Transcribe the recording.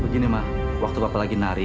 begini mah waktu bapak lagi nari